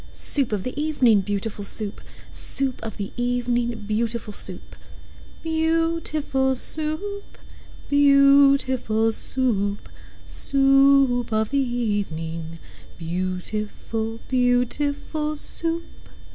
Soup of the evening, beautiful Soup! Soup of the evening, beautiful Soup! Beau ootiful Soo oop! Beau ootiful Soo oop! Soo oop of the e e evening, Beautiful, beautiful Soup!